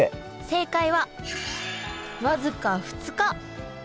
正解は僅か２日。